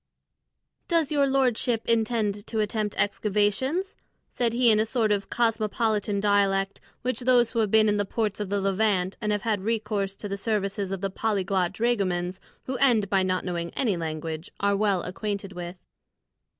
"Does your lordship intend to attempt excavations?" said he in a sort of cosmopolitan dialect which those who have been in the ports of the Levant and have had recourse to the services of the polyglot dragomans who end by not knowing any language are well acquainted with.